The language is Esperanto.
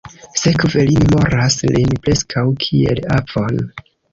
Sekve li memoras lin preskaŭ kiel avon.